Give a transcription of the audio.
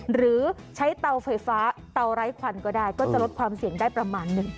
หรือใช้เตาไฟฟ้าเตาไร้ควันก็ได้ก็จะลดความเสี่ยงได้ประมาณหนึ่ง